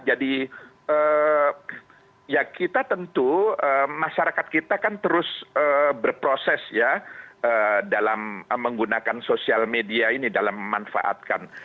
jadi ya kita tentu masyarakat kita kan terus berproses ya dalam menggunakan sosial media ini dalam memanfaatkan